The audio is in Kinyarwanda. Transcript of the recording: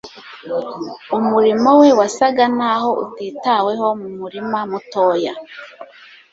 umurimo we wasaga naho utitaweho mu murima mutoya;